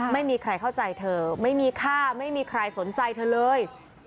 ไม่มีใครเข้าใจเธอไม่มีค่าไม่มีใครสนใจเธอเลย